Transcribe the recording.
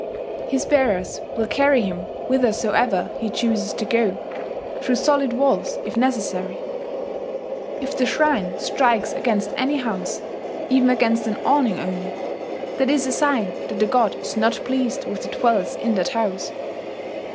His bearers will carry him whithersoever he chooses to go through solid walls if necessary. If the shrine strikes against any house, even against an awning only, that is a sign that the god is not pleased with the dwellers in that house.